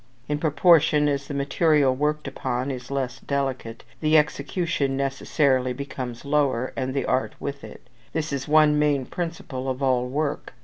In proportion as the material worked upon is less delicate, the execution necessarily becomes lower, and the art with it. This is one main principle of all work.